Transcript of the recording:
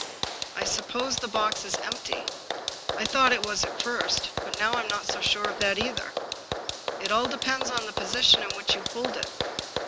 I suppose the box is empty." " I thought it was at first, but now I am not so sure of that either. It all depends on the position in which you hold it.